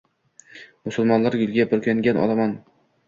Musulmonlar, gulga burkangan olomon